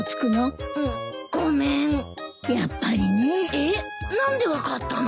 えっ何で分かったの？